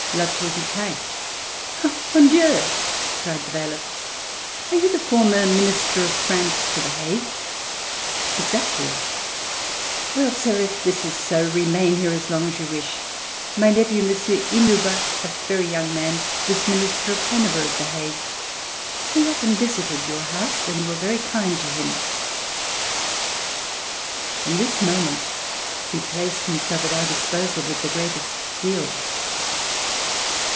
"La Tour du Pin." "Ah! mon Dieu," cried the bailiff. "Are you the former Minister of France to The Hague?" Exactly." 'Well, sir, if it is so, remain here as long as you wish. My nephew. Monsieur Hinuber, a very young man, was Minister of Hanover at The Hague. He often visited your house and you were very kind to him." RETURN TO PARIS From this moment he placed himself at our disposal with the greatest zeal.